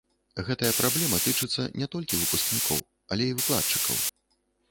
Гэтая праблема тычыцца не толькі выпускнікоў, але і выкладчыкаў.